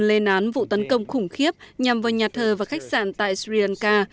lên án vụ tấn công khủng khiếp nhằm vào nhà thờ và khách sạn tại sri lanka